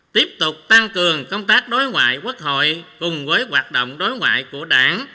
tiếp tục tăng cường công tác đối ngoại quốc hội cùng với hoạt động đối ngoại của đảng